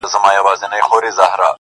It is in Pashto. ځوانان د ازادۍ غږ اخبار ته ګوري حيران,